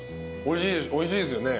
おいしいですよね？